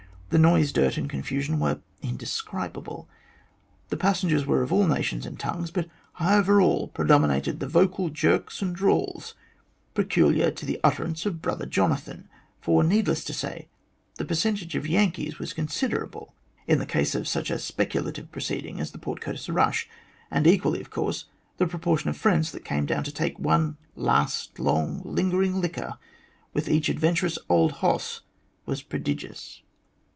The noise, dirt, and confusion were indescribable. The passengers were of all nations and tongues, but high over all predominated the vocal jerks and drawls peculiar to the utterance of Brother Jonathan, for, needless to say, the percentage of Yankees was considerable in the case of such a speculative proceeding as the Port Curtis rush, and equally, of course, the proportion of friends that came down to take one last long lingering liquor with each adventurous "old hoss " was prodigious.